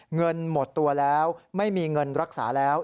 เงินหมดตัวแล้วไม่มีเงินรักษาแล้ว